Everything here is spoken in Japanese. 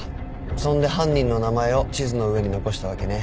そんで犯人の名前を地図の上に残したわけね。